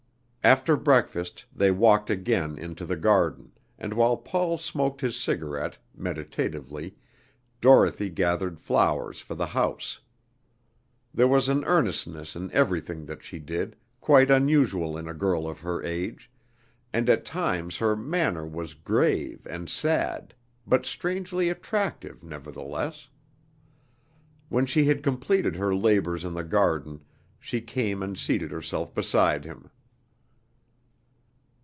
After breakfast they walked again into the garden, and while Paul smoked his cigarette, meditatively, Dorothy gathered flowers for the house. There was an earnestness in everything that she did, quite unusual in a girl of her age, and at times her manner was grave and sad, but strangely attractive, nevertheless. When she had completed her labors in the garden, she came and seated herself beside him.